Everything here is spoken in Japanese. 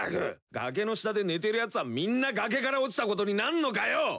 崖の下で寝てるやつはみんな崖から落ちたことになんのかよ！？